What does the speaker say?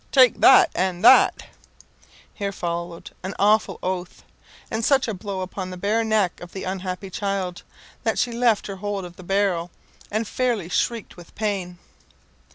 Take that, and that." Here followed an awful oath, and such a blow upon the bare neck of the unhappy child, that she left her hold of the barrel, and fairly shrieked with pain.